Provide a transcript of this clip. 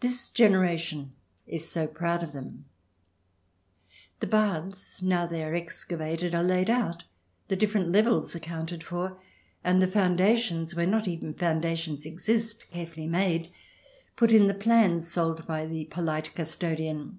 This gener ation is so proud of them I The Baths, now they are excavated, are laid out, the different levels accounted for, and the foundations, where not even foundations exist, carefully made, put in the plans sold by the polite custodian.